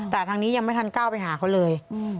แต่ทางนี้ยังไม่ทันก้าวไปหาเขาเลย